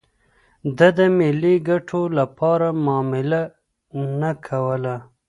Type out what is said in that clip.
ده د ملي ګټو لپاره معامله نه کوله.